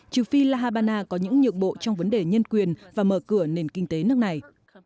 trừ phi la habana có những nhượng bộ trong vấn đề nhân quyền và mở cửa nền kinh tế nước này